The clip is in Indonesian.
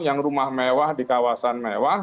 yang rumah mewah di kawasan mewah